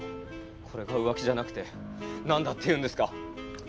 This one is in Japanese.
これが浮気じゃなくて何だっていうんですか。